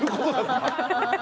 ハハハハッ。